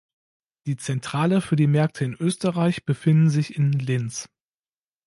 Die Zentrale für die Märkte in Österreich befindet sich in Linz.